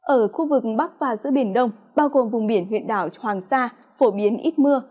ở khu vực bắc và giữa biển đông bao gồm vùng biển huyện đảo hoàng sa phổ biến ít mưa